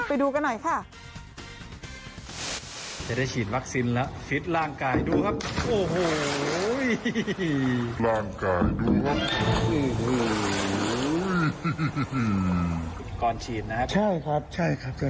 ไปดูกันหน่อยค่ะ